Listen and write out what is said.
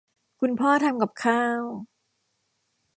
คุณพ่อทำกับข้าว